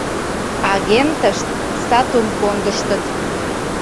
Агентышт сатум кондыштыт.